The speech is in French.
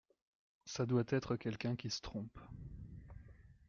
Ça doit être quelqu’un qui se trompe.